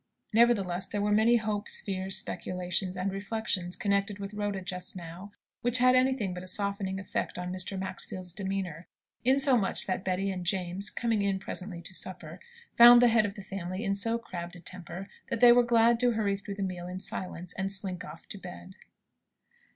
Nevertheless, there were many hopes, fears, speculations, and reflections connected with Rhoda just now, which had anything but a softening effect on Mr. Maxfield's demeanour; insomuch that Betty and James, coming in presently to supper, found the head of the family in so crabbed a temper, that they were glad to hurry through the meal in silence, and slink off to bed.